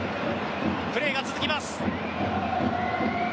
プレーが続きます。